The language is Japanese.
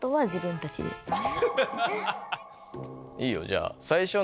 いいよじゃあはい。